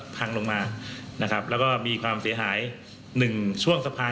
พังลงมานะครับแล้วก็มีความเสียหาย๑ช่วงสะพาน